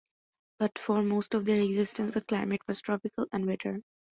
But for most of their existence the climate was tropical and wetter.